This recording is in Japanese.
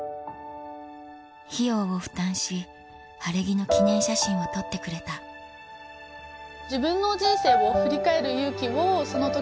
費用を負担し晴れ着の記念写真を撮ってくれたその時に。